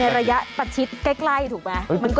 ในระยะตัดชิดใกล้ถูกปะ